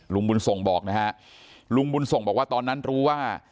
ลุงบุญส่งบอกนะฮะลุงบุญส่งบอกว่าตอนนั้นรู้ว่า